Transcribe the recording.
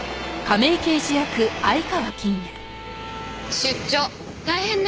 出張大変ね。